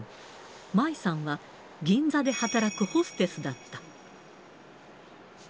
舞さんは銀座で働くホステスだった。